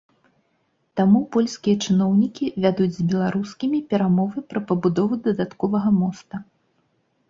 Таму польскія чыноўнікі вядуць з беларускімі перамовы пра пабудову дадатковага моста.